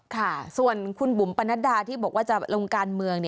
ค่ะส่วนคุณบุ๋มปนัดดาที่บอกว่าจะลงการเมือง